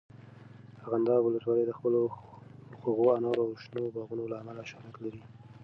ارغنداب ولسوالۍ د خپلو خوږو انارو او شنو باغونو له امله شهرت لري.